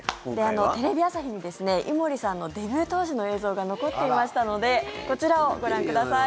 テレビ朝日に井森さんのデビュー当時の映像が残っていましたのでこちらをご覧ください。